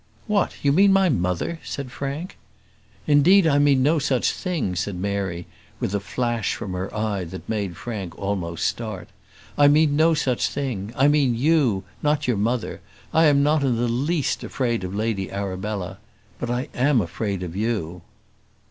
"What! you mean my mother?" said Frank. "Indeed, I mean no such thing," said Mary, with a flash from her eye that made Frank almost start. "I mean no such thing. I mean you, not your mother. I am not in the least afraid of Lady Arabella; but I am afraid of you."